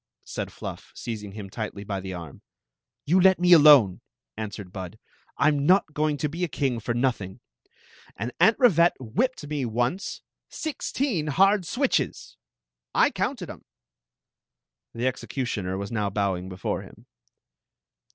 said Fluff, seizing him tightly by the arm. You let me donef* answered Bud I 'm not going to be a king for nothing. And Aunt Rivette whipped me once — sixteen hard switches ! I counted ♦»♦ em. The executioner was now bowing htUxt htm.